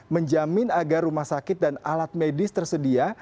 menjamin agar rumah sakit dan alat medis tersedia